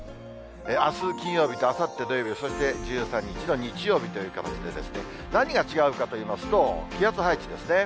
あす金曜日と、あさって土曜日、そして１３日の日曜日という形で、何が違うかといいますと、気圧配置ですね。